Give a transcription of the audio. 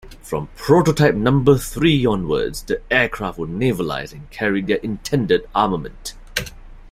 From prototype number three onwards, the aircraft were navalised and carried their intended armament.